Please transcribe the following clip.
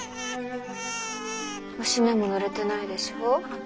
おしめもぬれてないでしょ。